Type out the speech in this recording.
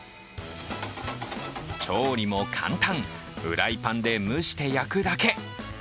調理も簡単、フライパンで蒸して焼くだけ。